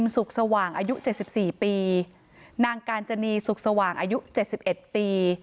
สุขสว่างอายุ๗๔ปีนางกาญจนีสุขสว่างอายุ๗๑ปี